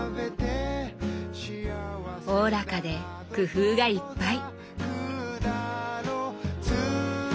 おおらかで工夫がいっぱい。